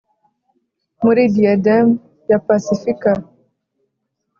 muri diadem ya pasifika.